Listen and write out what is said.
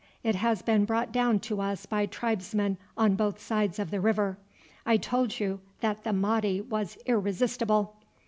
It has been brought down to us by tribesmen on both sides of the river. I told you that the Mahdi was irresistible."